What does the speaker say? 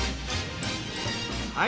はい！